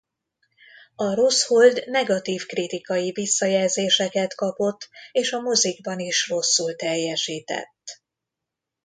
A Rossz hold negatív kritikai visszajelzéseket kapott és a mozikban is rosszul teljesített.